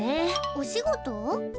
おしごと？